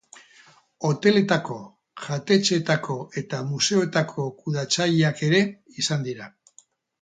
Hoteletako, jatetxeetako eta museoetako kudeatzaileak ere izan dira.